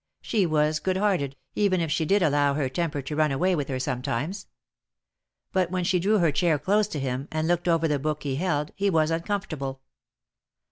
She was good hearted, even if she did allow her temper to run away with her sometimes. But when she drew her chair close to him, and looked over the book he held, he was uncomfortable.